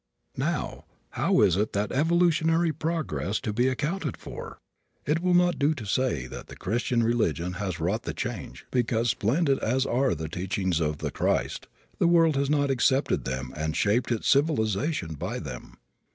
Now, how is that evolutionary progress to be accounted for? It will not do to say that the Christian religion has wrought the change because, splendid as are the teachings of the Christ, the world has not accepted them and shaped its civilization by them.